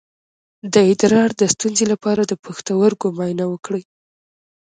د ادرار د ستونزې لپاره د پښتورګو معاینه وکړئ